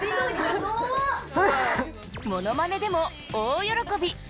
モノマネでも大喜び。